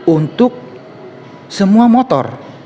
untuk semua motor